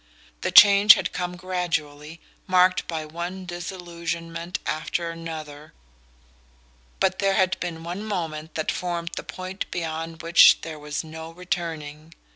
The change had come gradually, marked by one disillusionment after another; but there had been one moment that formed the point beyond which there was no returning.